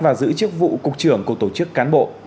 và giữ chức vụ cục trưởng của tổ chức cán bộ